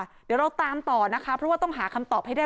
เดี๋ยวเราตามต่อนะคะเพราะว่าต้องหาคำตอบให้ได้